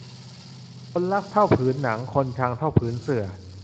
คนรักเท่าผืนหนัง คนชังเท่าผืนเสื่อ